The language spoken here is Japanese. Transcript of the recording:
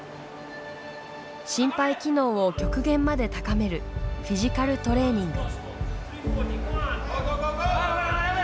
心肺機能を極限まで高めるフィジカルトレーニング。